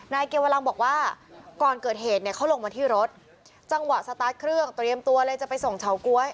นายเกวลังบอกว่าก่อนเกิดเหตุเนี่ยเขาลงมาที่รถจังหวะสตาร์ทเครื่องเตรียมตัวเลยจะไปส่งเฉาก๊วย